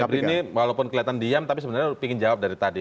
pak abri ini walaupun kelihatan diam tapi sebenarnya ingin jawab dari tadi